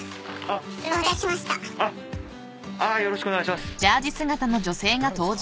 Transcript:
よろしくお願いします。